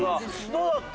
どうだった？